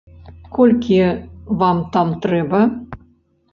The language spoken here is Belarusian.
Колькі вам там трэба?